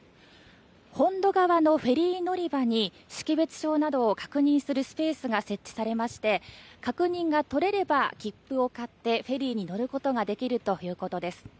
本土側のフェリー乗り場に識別証などを確認するスペースが設置されまして確認が取れれば切符を買ってフェリーに乗ることができるということです。